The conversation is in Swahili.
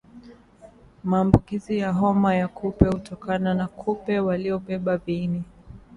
maambukizi ya homa ya kupe kutokana na kupe waliobeba viini